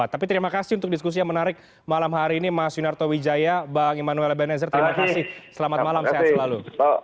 tapi terima kasih untuk diskusi yang menarik malam hari ini mas yunarto wijaya bang immanuel ebenezer terima kasih selamat malam sehat selalu